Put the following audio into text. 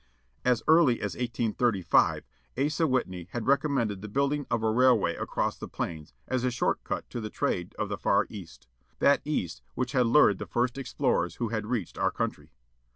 As early as 1835 Asa Whitney had recommended the building of a railway across the plains, as a short cut to the trade of the Far East. That East which had lured the first explorers who had reached our covintry.